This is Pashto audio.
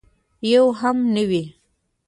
یو هم نه وي.